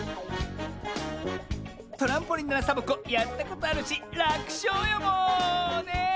トランポリンならサボ子やったことあるしらくしょうよもう！ねえ。